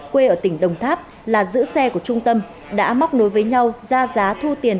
quê ở tỉnh đồng tháp là giữ xe của trung tâm đã móc nối với nhau ra giá thu tiền